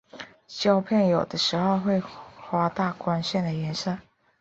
胶片有的时候会夸大光线的颜色。